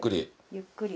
ゆっくり。